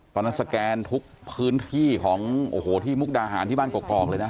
สแกนทุกพื้นที่ของโอ้โหที่มุกดาหารที่บ้านกอกเลยนะ